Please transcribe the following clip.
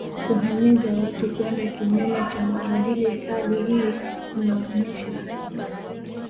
kuhimiza watu kwenda kinyume cha maadili Hali hii inajionyesha hasa